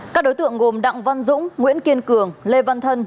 các đối tượng gồm đặng văn dũng nguyễn kiên cường lê văn thân